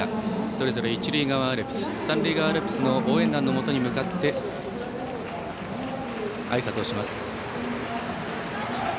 それぞれ一塁側アルプス三塁側アルプスの応援団のもとに向かってあいさつをします。